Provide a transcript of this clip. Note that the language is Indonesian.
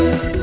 yuk yuk yuk